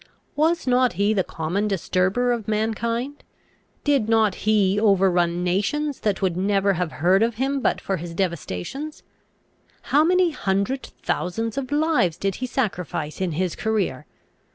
Was not he the common disturber of mankind? Did not he over run nations that would never have heard of him but for his devastations? How many hundred thousands of lives did he sacrifice in his career?